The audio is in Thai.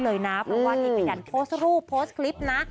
เพราะว่านี่ขยันโพสต์รูปโพสต์คลิปนะ